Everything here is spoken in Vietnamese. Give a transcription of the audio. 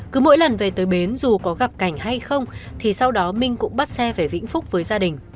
cứ mỗi lần về tới bến dù có gặp cảnh hay không thì sau đó minh cũng bắt xe về vĩnh phúc với gia đình